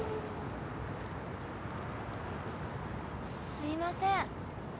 ・すいません。